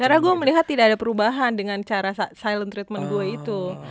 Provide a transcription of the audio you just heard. karena gue melihat tidak ada perubahan dengan cara silent treatment gue itu